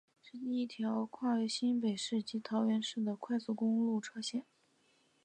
是第一条横跨新北市及桃园市的快速公车路线。